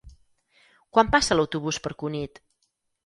Quan passa l'autobús per Cunit?